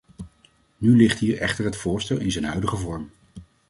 Nu ligt hier echter het voorstel in zijn huidige vorm.